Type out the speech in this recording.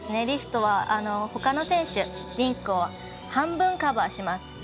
リフトは、ほかの選手リンクを半分カバーします。